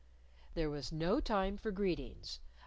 There was no time for greetings.